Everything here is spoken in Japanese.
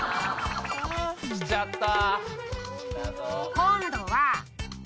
きちゃった。